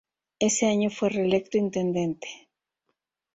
Ese año fue reelecto intendente.